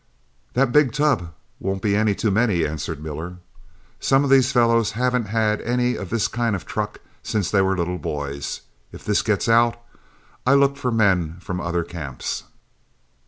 "'That big tub full won't be any too many,' answered Miller. 'Some of these fellows haven't had any of this kind of truck since they were little boys. If this gets out, I look for men from other camps.'